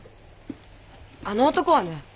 あの男はね